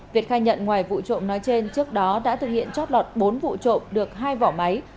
việt khai nhận ngoài vụ trộm nói trên trước đó đã thực hiện chót lọt bốn vụ trộm được hai vỏ máy